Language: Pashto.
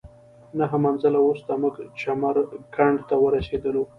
نهه منزله وروسته موږ چمرکنډ ته ورسېدلو.